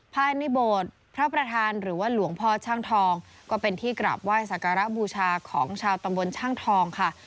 ภายในโบสถ์พระประธานหรือว่าหลวงพ่อช่างทองก็เป็นที่กราบไหว้สักการะบูชาของชาวตำบลช่างทองค่ะ